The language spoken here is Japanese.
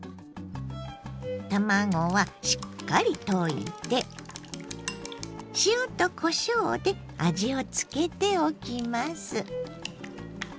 卵はしっかり溶いて塩とこしょうで味を付けておきます。